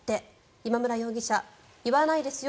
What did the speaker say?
今村容疑者、言わないですよ